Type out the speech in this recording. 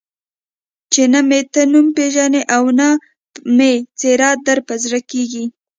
چې نه مې ته نوم پېژنې او نه مې څېره در په زړه کېږي.